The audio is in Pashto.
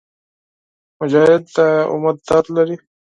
مجاهد د امت درد لري.